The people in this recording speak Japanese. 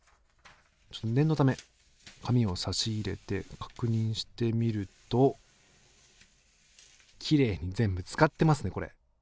念のため紙をさし入れて確認してみるときれいに全部使ってますねこれ。